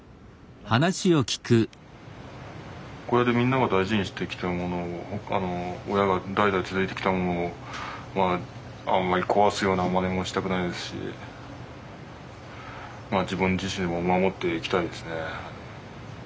小屋でみんなが大事にしてきたものを親が代々続いてきたものをあんまり壊すようなまねもしたくないですし自分自身でも守っていきたいですね。